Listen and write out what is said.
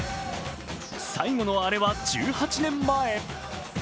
最後のアレは１８年前。